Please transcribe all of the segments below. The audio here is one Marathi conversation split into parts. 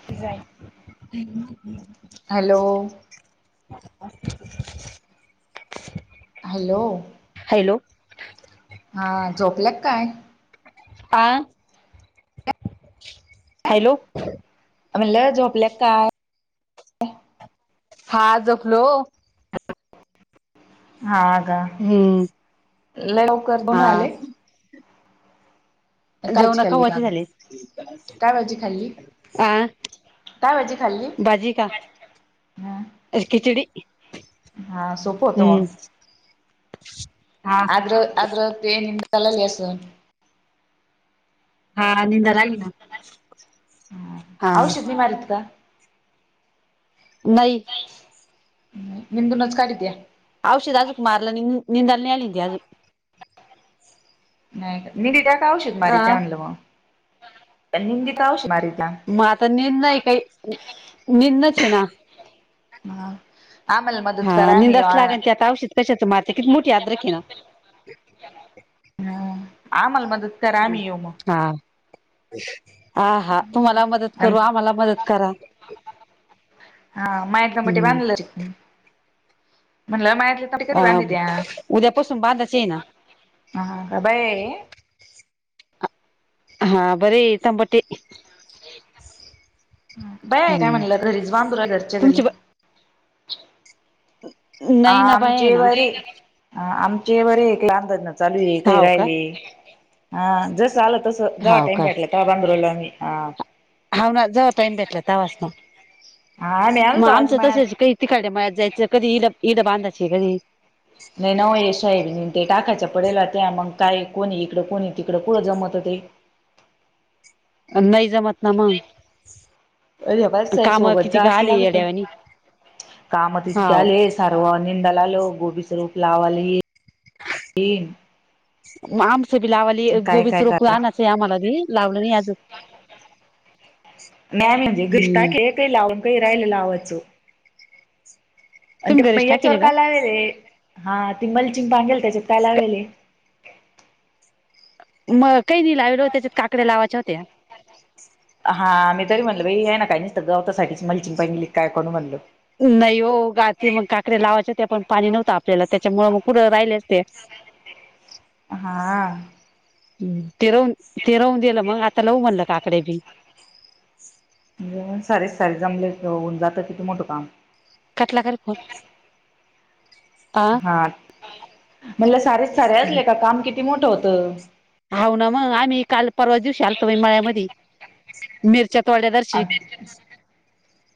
Design [unintelligible] hello. [inaudible] हॅलो. हॅलो. हा झोपल्यात काय? आं हॅलो. मला जॉबला काय हा जखलो हा गा हम्म लवकर हा बनू आले. कायची जेवण खाल्ली का कवाची झाली काय वेळची खाल्ली? आ काय भाजी खाल्ली भाजी का म. खिचडी. हा सोप होतं म हम्म हा [unintelligible] ह सोपच होत हा निंदर आली ना. हा औषद्ध बी मारीते का? नाही हम्म निंदुनच काडित्या. औषध अजूक मारला नी न निदानली ती आजूक. नाही का मी ति त्या काय आवशक अ मारीत्या म्हणलं मग निंदी का आवशक मारीत. मग आता निंद आहे काही निंदच आहे ना. हा आम्हाला मदत करा मी. [unintelligible] त्याश तर मार किती मोठी अद्रेक हे ना. हम्म आम्हाला मदद हा. आ हा तुम्हाला मदत करू आणि आम्हाला मदत करा. हा मायटला मुठी हम्म बांधलं म्हणलं मायरले अ उद्यापासून बधाच ये ना. हा हा का बाय? हा बरी तांपटी बया आहे काय हम्म म्हणाला घरीच बांधुरा घरच्या घरी. तुमची ब नाही ना बाय आहे ना आमचेवरी आमचे बरे एक लाहानदना चालू आहे काही हाव का राहिले अ जस आलं तसं जव्हा हाव टाइम का भेटला तेव्हा बांधरल आम्ही हा. हाव ना जव्हा टाइम भेटला तवास ना हा आम्ही मग आलतो आज आमचं तसच मळ्यात काही तिकडे मयात जायचं कधी इड इड बांधाची कधी. नाही न वय साहेबने ते टाकायच्या पडेला त्या मग काय कोणी इकडं कोणी तिकडं कुठं जमत हो ते. नाही जमत ना मग. याबच आहे काम सोबत किती का जास आले लागतं येड्यावानी कामं इतके हाव आलेस सर्व निंदलालो गोबी सरूप लावयला [inaudible] येईन. मग आमचं बी लावली, काय गोबीस काय रुपये करा आणत. चे आम्हाला दे लावलं नाही अजून. नाहीय म्हणजे हम्म घष्टाके काही लावून काही राहायला लावाचं. आणि ते तुम्ही प घरीच याच्यावर टाकेल का काय लावेले हा ती मलचिंग बांगेल त्याच्यात काय लावेले. म काही नाही लावीडो त्याच्यात काकड्या लावायच्या होत्या. हा मी तरी म्हणलो बाई आहे ना काही नाहीसत गवतासाठीच मलचीन पहिंगली काय करण म्हणलं. नाही हो गाते मग काकडया लावायच्या ते पण पाणी नव्हतं आपल्याला त्याच्यामुळं मग कुठं राहिलेच ते. [inaudible] हा. तेरवून तेरवून दिलं मग आता लऊ म्हणलं काकडे बी. सारेच सारे जमले होऊन जातं किती मोठं काम. कटला कारे फोन आ हा म्हटलं सारे सारे असले का काम किती मोठं होतं. हावू ना मग आम्ही काल, परवा दिवशी आलतो बाई मळ्यामधी. मिरच्या तोड्या दर्श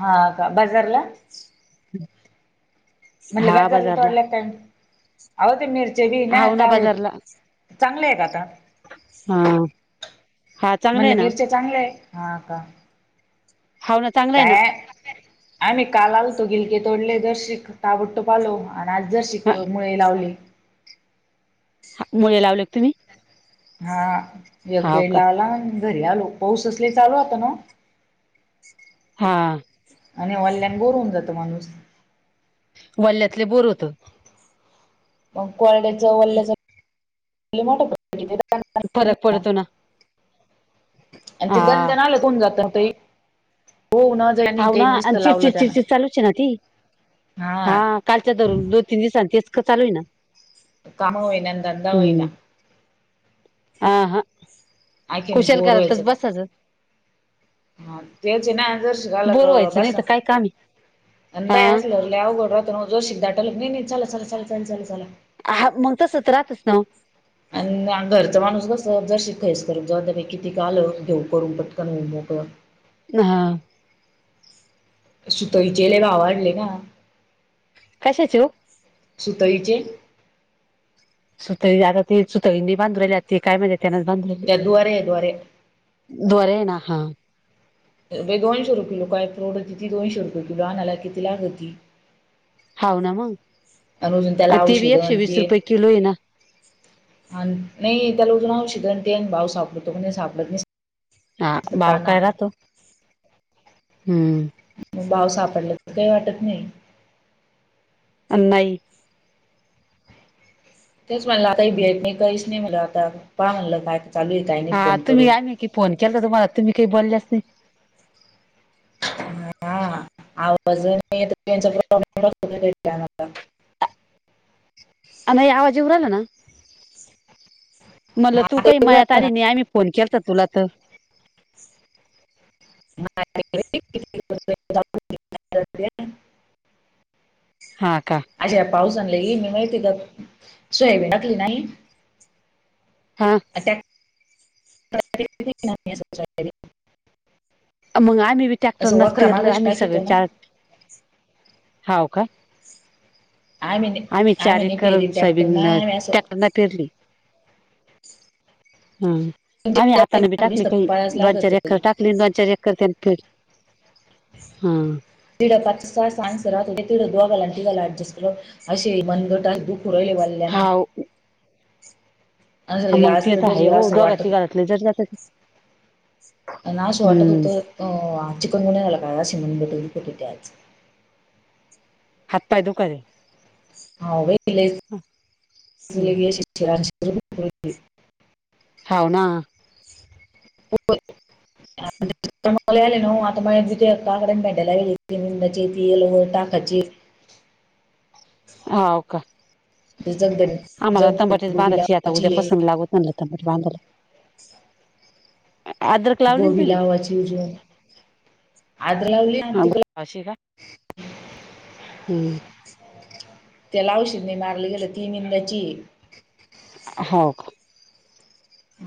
हा का बाजारला. हम्. मला बाजारला तोडलं तेन हाव ना बाजारला चांगले आहे का आता हा. हा चांगला आहे ना. चांगलंय हा का? हाव ना चांगल आहे ना. काय आम्ही का आलतो गिलके तोडले जर शिक ताबडतोब आलो आणि आज जर ना शिकतो मुळे लावले. मुले लावलेत तुम्ही. हा हाव का एकदीडला आला आणि घरी आलो पाऊस असच लय चालू आता ना. हा. आणि ऑनलाईन बोर होऊन जातो माणूस. वल्यातले बोर होत. मग कोरड्याच वल्ल्याच मोठ [unintelligible] फरक पडतो ना. आणि ते हा गंदनाला कोण जाता ताई हो ना. हाव ना आणि चिडचिड चिडचिड चालूच आहे ना ती. हा कालच्या धरून दोन तीन दिवसां तेच का चालू आहे ना. काम होईना धंदा हम्म होईना. हा हा आणखीन कुशल बोर व्हायचं. करतच बसाच. हा तेचे ना जरशी का आला बोर क व्हायचं नाही तर बसा काय काम आहे आणि बाय हा असल- लय अवघड जो शिकदाट नाही नाही चला चला चला चला चला चला... हा म तर सत्रातच ना. आणि घरचा माणूस कसं जशी खेच करत जाऊ द्या पैकी ती कालं घेऊ करून पटकन होऊ मोकळा. हा. सुतईचेले ला आवाडले ना. कशाची ओ? सुतईचे सुतळी आता ते सुतळीनी बांधरवली ते काय म्हणजे त्यानाच बांधर. त्या द्वरे द्वरे. द्वारेन हा. बाई दोनशे रुपये ला काय परवडटी ती दोनशे रुपये किलो ना किती लागती. हाव ना मग आणि अजून त्याला ती बी औषध एकशे आणि वीस ते रुपये किलो आहे ना. आणि नाही त्याला अजून औषध ते आणि भाव सापडतो का सापडत नाही. हा भाव ताना काय राहतो हम्म. बाव सापडला तर काही वाटत नाही. अन नाही तेच म्हणलं आता ही बीयात नाही कहीच नाही मला आता पहा म्हणलं काय चालू आहे. काही नाही हा फोन तुम्ही करून आम्ही की फोन केला तर तुम्हाला तुम्ही काही बोलल्याच नाही. हा.. आवाजच [unintelligible] त्यांचा [unintelligible] नाही आवाज ये उराला ना मलं तू आता काही येऊ मायात राहिला ना. आली नाही आम्ही फोन केल तर तुला तर. [unintelligible] हा का. अज या पाऊस आणलेली मी माहिती का सोयाबीन टाकली नाही. हा.. त्या [unintelligible] मग आम्ही बी असं ट्रॅक्टरनाच वखरा पेरलं मागच आम्ही टाकितो सगळं ना चार हाव का? नाही- आम्ही चार नाही एकर पेरी ट्रॅक्टर सोयाबीन ना आम्ही असं टॅक्टरन पेरली. हा आम्ही हातान बी टाकली काही पाळायच दोन चार लागत एकर टाक. हा [unintelligible] तिड पाच त सां रा दोघाला तिघाला आणि ऍडजस्ट केलो असे मनगट दु सुरले वाल्ल्याना. हा असं लगे मग आज ती तर आता आहे हाय दिवसभर ओ असं दोघा वाटत तिघाला [unintelligible] जर जात हम्म.. ओ आ चिकनगुनिया झाला का, असे म्हणले तरी [unintelligible] आज. हात पाय दुखालय. हावू बाई [unintelligible] हाव ना [unintelligible] स आले नू आता म त काकडया भेंड्या गेलेंडाची वेल वर टाकायची हावू का? ते जगदन आम्हाला जगदन तंबाट्या गोबी बांधाची आता उद्या लावाची पसून आहे लावत. [unintelligible] बांधला अदरक लावली तुम्ही. अदर लावली ना. अशे का? हम्म तेला औषध नाही मारले गेलं ती मींदाची आहे. हाव का?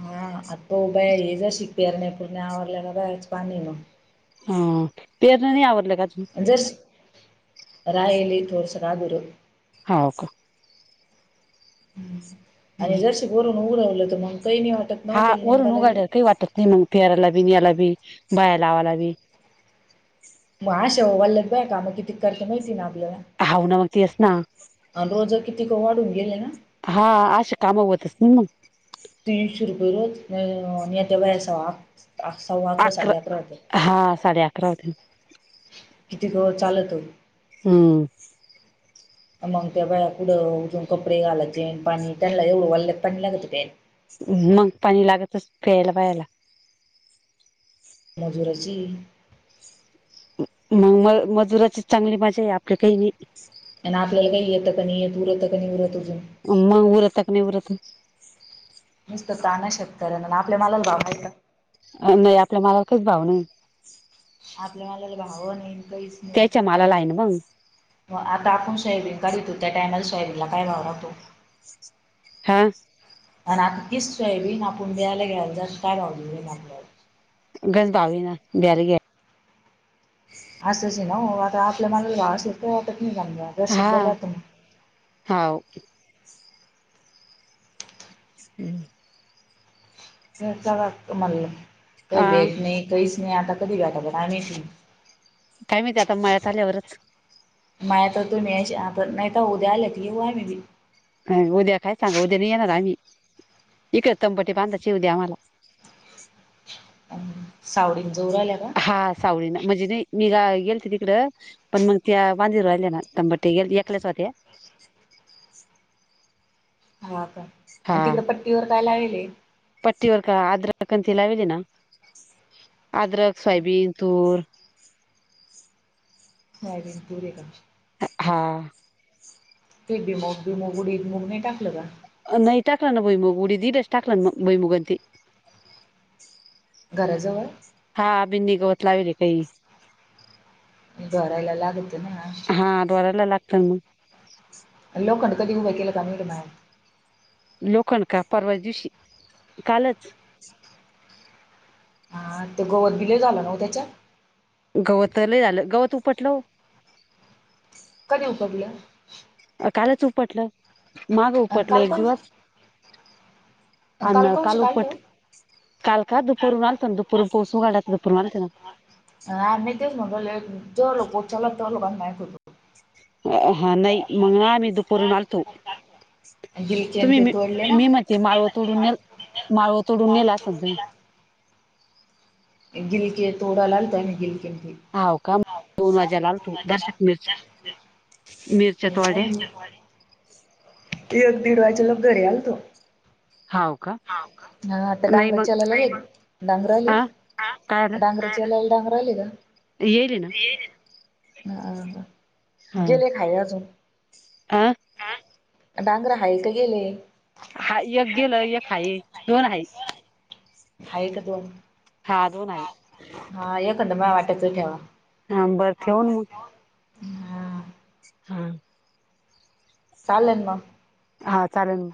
हा आता प बाय हे जशीक पेरण्या फिरण्या आवरल्या का बा [unintelligible] पाणी ना हम पेरणी नाही आवरली का अजून. अ जस्ट राहायली तोवर सगळा गो [unintelligible] हावू का? आणि जरसे भरून उरवलं तर मग काही नाही वाटत. नव्ह हा त्याला वरून निंदायला उघा [unintelligible] बी काही वाटत नाही मग पेरायला बी न यायला बी बाया लावायला बी मग अशा हो वल्लग ब्या काम किती करते माहिती ना आपल्याला. हाव ना मग तेच ना. आणि रोज कित्येक वाढून गेले ना. हा अशे कामं होतच नाही मग. तीनशे रुपये नाहीत नाही बाबा मी आता [unintelligible] सव्वा सव्वा अकरा साडे अकरा होतेत. हां साडे अकरा होतेय. किती ग चालतो. हमं मग ते बा कुढं उठून कपडे घालायचे चेपाणी त्यांना एवढं वाल्यात पाणी लागत मेन. मग पाणी लागतच पियला बियायला. मजूराची मग म मजुराची चांगली मजा आहे आपल्या काही नाही. आणि आपल्याला काही येतंच नाही उरत क नाही उरत अजून अ्म मग उरत का नाही उरत निसता तान शेतकऱ्यांला आपल्या मालाला भाव नाय का? नाही आपल्या मालाला काहीच भाव नाही. आपल्या मलाला भावं नाही काहीच [unintelligible] त्याच्या आता मालाला आहे ना भाव. आता आपण सोयाबीन काढितो त्या टायमला सोयाबीनला काय भाव राहतो. हा. आणि आता तीच सोयाबीन आपण बियाला घ्यायला [unintelligible] आपल्याला. घस बावी ना बियाला घ्या. असंच ना ओ आता आपल्या मालाला भाव अस तर वाटत नाही जाण घ हा हाव हम्म हा [unintelligible] काय माहिती आता मळ्यात आल्यावरच माया तर तुम्ही आ नाही तर उद्या आला क येऊय मी बी उद्या काय सांगा उद्याने येणार आम्ही इकडे तंपटी बांधाची उद्या मला. सावडीन जोर आल्या ग. हा सावळी ना म्हणजे नाही मी गा-गेलती तिकडं. पण मग त्या वांजीर राहिल्या ना तंबट गे एकल्याच होते. हा का हा आणि तिकडे पट्टीवर काय लावीले. [unintelligible] अद्रक, सोयाबीन, तुर सोयबिन पूर का हा. ते बिमग डी मुग नाही टाकलं का? नाही टाका ना भुईमुग उडीदच टाकलं ना मग भुईमुग आणि ती. घराजवळ हा बिंदी गवत लावेले काही. भरलला लागते ना आज हा डोरायला लागत मग. लोखंड कधी उभ केला मीड मय. लोखंड का परवा दिवशी कालच हा ते गवत भी लय झालं ना ओ त्याच्यात. गवतलय झालं गवत उपटलं ओ. कधी उतरलं? अ कालच उपटलं माग आणि उपटलं काल एक कौश दिवस आणि अन कौश काल काय उपट ठेव काल का दुपरून आलतो ना दुपर पाोस उघाडयच दुपरून आलतो ना ह्ही तेच म्हट जो लोक उचालत त्याो लोकांनाक होतो हां नाही मग आम्ही दुपारून आलतो. गिलकेन तुम्ही ते मी तोडले ना मी माहिती माळव तोडून ने माळव तोडून नेहला असल तुम्ही [unintelligible] हव का दोन वाज्यालाल तू दर्शक मिर्च मिर [unintelligible] की एक दीड वाजयच्या लग घरी आलतो. हाव का? हा आता नाही डांगरा मग चलाला डांगराले आ डांगरा जले अन डांगर आले का ये ना ह हा. गेले खाया अजून अ ह डांगरा हाय का गेले. हा एक गेलं एक हाय दोन आहेत हा का दोन हा दोन आहे. आहेना एकंद मला वाटाचं ठेवा. हां बरं ठेवन मग हा हा चालेन म हा चालेल